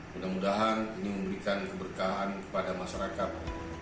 mudah mudahan ini memberikan keberkahan kepada masyarakat